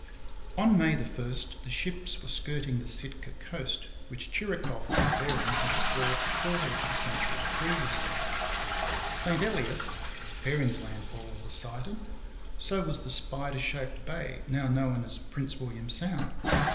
On May 1 the ships were skirting the Sitka coast, which Chirikoff and Bering had explored a quarter of a century previously. St Elias, Bering's landfall, was sighted. So was the spider shaped bay now known as Prince William Sound.